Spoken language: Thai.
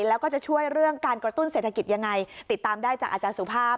แล้วก็จะช่วยเรื่องการกระตุ้นเศรษฐกิจยังไงติดตามได้จากอาจารย์สุภาพ